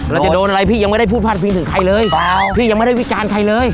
เราจะโดนอะไรพี่ยังไม่ได้พูดพลาดพิงถึงใครเลยพี่ยังไม่ได้วิจารณ์ใครเลย